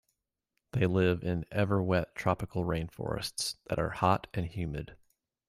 They live in ever-wet tropical rainforests that are hot and humid.